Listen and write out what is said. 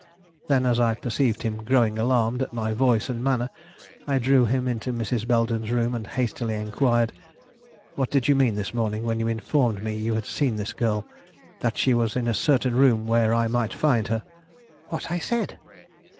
Then, as I perceived him growing alarmed at my voice and manner, I drew him into Mrs. Belden's room and hastily inquired: "What did you mean this morning when you informed me you had seen this girl? that she was in a certain room where I might find her?" "What I said."